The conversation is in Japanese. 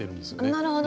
なるほど。